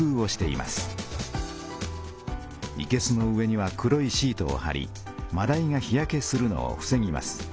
いけすの上には黒いシートをはりまだいが日焼けするのをふせぎます。